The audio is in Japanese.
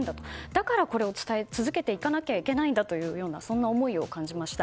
だからこれを伝え続けていかなきゃいけないんだというそんな思いを感じました。